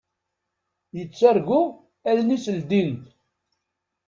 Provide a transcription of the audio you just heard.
Yettargu allen-is ldint.